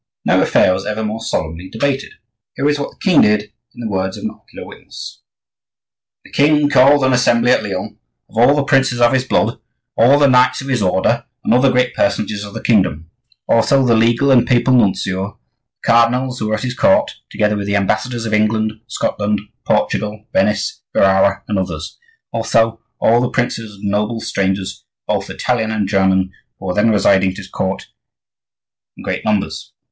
No affair was ever more solemnly debated. Here is what the king did, in the words of an ocular witness:— "The king called an assembly at Lyon of all the princes of his blood, all the knights of his order, and other great personages of the kingdom; also the legal and papal nuncio, the cardinals who were at his court, together with the ambassadors of England, Scotland, Portugal, Venice, Ferrara, and others; also all the princes and noble strangers, both Italian and German, who were then residing at his court in great numbers.